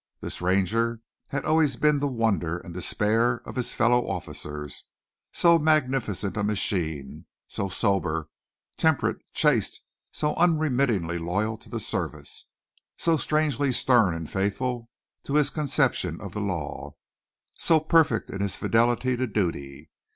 This Ranger had always been the wonder and despair of his fellow officers, so magnificent a machine, so sober, temperate, chaste, so unremittingly loyal to the Service, so strangely stern and faithful to his conception of the law, so perfect in his fidelity to duty.